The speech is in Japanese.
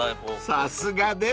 ［さすがです］